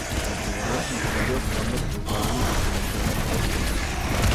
Еквивалент на вториот стандард за убавина за жените не постои.